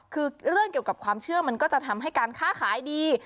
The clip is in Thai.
คือเรื่องเกี่ยวกับความเชื่อมันก็จะทำให้การค้าขายดี